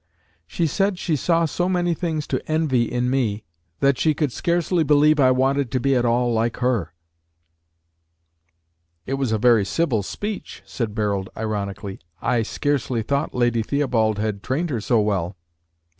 "She said she saw so many things to envy in me, that she could scarcely believe I wanted to be at all like her." "It was a very civil speech," said Barold ironically. "I scarcely thought Lady Theobald had trained her so well."